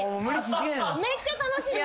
めっちゃ楽しいです。